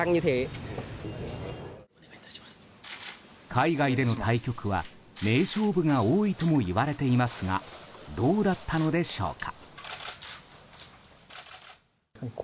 海外での対局は、名勝負が多いともいわれていますがどうだったのでしょうか。